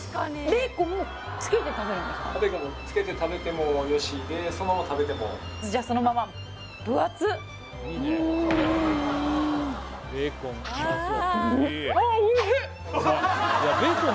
ベーコンもつけて食べてもよしでそのまま食べてもじゃあそのまま分厚っ！